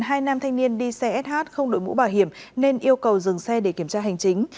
hai nam thanh niên đi xe sh không đội mũ bảo hiểm nên yêu cầu dừng xe để kiểm tra hành chính